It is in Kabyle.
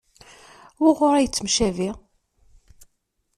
Wuɣur ay yettemcabi?